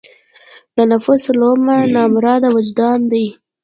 له نفس لوامه نه مراد وجدان دی.